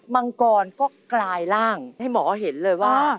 มังกรก็กลายร่างให้หมอเห็นเลยว่า